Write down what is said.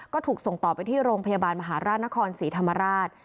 ก็ถูกส่งต่อไปที่โรงพยาบาลมหาราชนครศรีธรรมราช